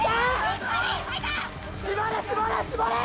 絞れ、絞れ、絞れ。